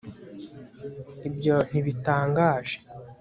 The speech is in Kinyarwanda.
ibyo ntibintangaje